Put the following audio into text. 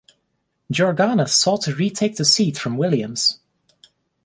Georganas sought to retake the seat from Williams.